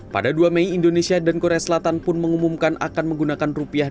pada dua mei indonesia dan korea selatan pun mengumumkan akan menggunakan rupiah